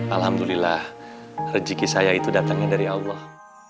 alhamdulillah rezeki saya itu datangnya dari allah